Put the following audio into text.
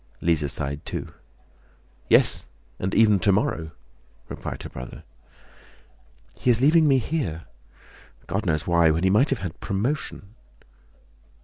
Lise sighed too. "Yes, and even tomorrow," replied her brother. "He is leaving me here, God knows why, when he might have had promotion..."